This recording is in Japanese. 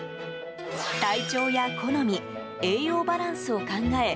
体調や好み、栄養バランスを考え